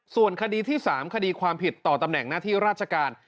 ส่วนคดีที่๓คดีความผิดต่อตำแหน่งหน้าที่ราชการ